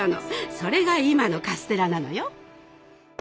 それが今のカステラなのよ。